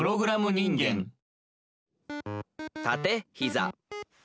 「たてひざ」。